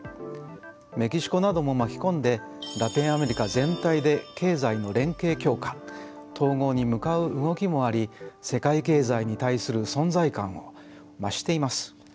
メキシコなども巻き込んでラテンアメリカ全体で経済の連携強化・統合に向かう動きもあり世界経済に対する存在感を増しています。